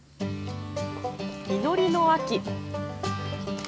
実りの秋。